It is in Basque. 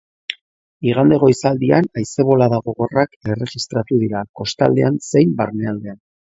Igande goizaldian haize-bolada gogorrak erregistratu dira, kostaldean zein barnealdean.